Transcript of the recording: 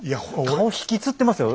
顔引きつってますよ